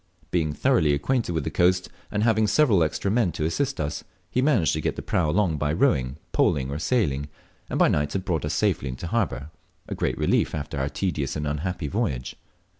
Being thoroughly acquainted with the coast, and having several extra men to assist us, he managed to get the prau along by rowing, poling, or sailing, and by night had brought us safely into harbour, a great relief after our tedious and unhappy voyage.